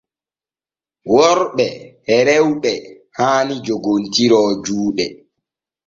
Worɓe e rewɓe haani joggontiro juuɗe.